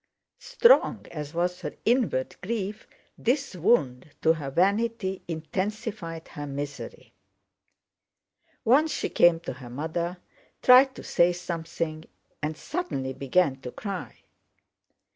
Strong as was her inward grief, this wound to her vanity intensified her misery. Once she came to her mother, tried to say something, and suddenly began to cry.